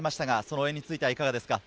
応援についてはいかがですか？